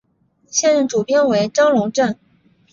现任主编为张珑正。